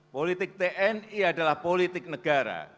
politik tni adalah politik negara